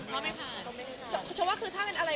ถ้าน่าจะถูกแน่นานได้